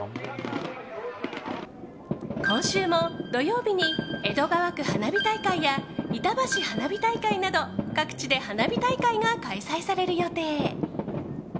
今週も土曜日に江戸川区花火大会やいたばし花火大会など各地で花火大会が開催される予定。